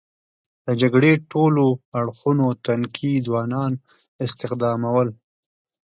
د جګړې ټولو اړخونو تنکي ځوانان استخدامول.